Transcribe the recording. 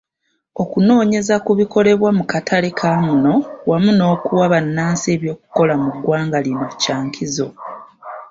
Okunoonyeza ku bikolebwa mu katale kamuno wamu n'okuwa bannansi eby'okukola mu ggwanga lino kyakizo.